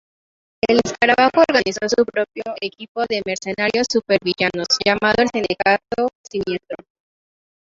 El Escarabajo organizó su propio equipo de mercenarios super-villanos llamado el Sindicato Siniestro.